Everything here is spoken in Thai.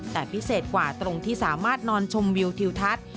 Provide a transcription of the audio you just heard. แต่พิเศษกว่าตรงที่สามารถนอนชมวิวทิวทัศน์